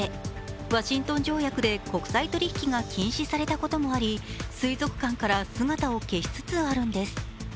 ワシントン条約で国際取引が禁止されたこともあり水族館から姿を消しつつあるんです。